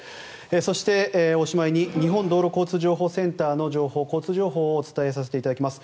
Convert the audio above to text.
そして、おしまいに日本道路交通情報センターの情報交通情報をお伝えさせていただきます。